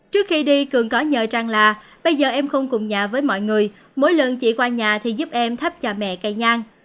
trước khi đi cường có nhờ rằng là bây giờ em không cùng nhà với mọi người mỗi lần chỉ qua nhà thì giúp em thắp cha mẹ cây nhang